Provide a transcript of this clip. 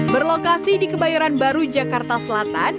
berlokasi di kebayoran baru jakarta selatan